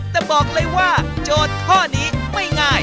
แต่บอกเลยว่าโจทย์ข้อนี้ไม่ง่าย